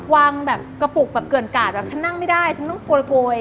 วางแบบกระปุกแบบเกินกาดแบบฉันนั่งไม่ได้ฉันต้องโกย